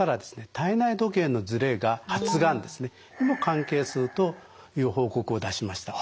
体内時計のズレが発がんにも関係するという報告を出しました。